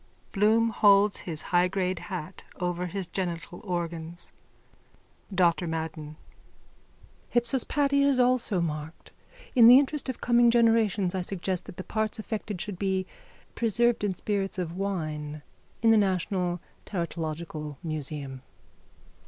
_ (Bloom holds his high grade hat over his genital organs.) DR MADDEN: Hypsospadia is also marked. In the interest of coming generations I suggest that the parts affected should be preserved in spirits of wine in the national teratological museum.